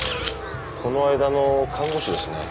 この間の看護師ですね。